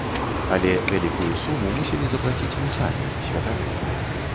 Але вялікую суму мусілі заплаціць мы самі, святары.